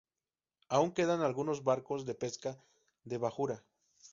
Aún quedan algunos barcos de pesca de bajura.